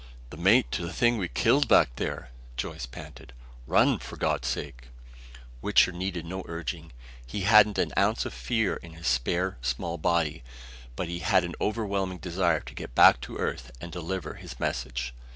"The mate to the thing we killed back there!" Joyce panted. "Run, for God's sake!" Wichter needed no urging. He hadn't an ounce of fear in his spare, small body. But he had an overwhelming desire to get back to Earth and deliver his message.